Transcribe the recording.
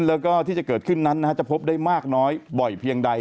แล้วก็ที่จะเกิดขึ้นนั้นจะพบได้มากน้อยบ่อยเพียงใด